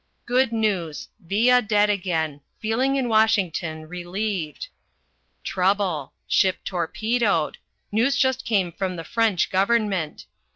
Good news. Villa dead again. Feeling in Washington relieved. Trouble. Ship torpedoed. News just came from the French Government.